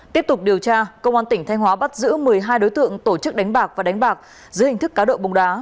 tiếp tục điều tra công an tỉnh thanh hóa bắt giữ một mươi hai đối tượng tổ chức đánh bạc và đánh bạc dưới hình thức cá độ bóng đá